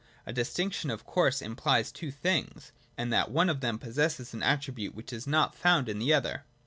A distinction of course implies two things, and that one of them possesses an attribute which is not found in the other.